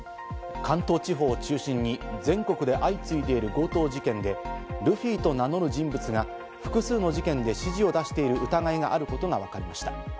関東地方を中心に全国で相次いでいる強盗事件で、ルフィと名乗る人物が複数の事件で指示を出している疑いがあることがわかりました。